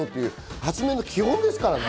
発明の基本ですからね。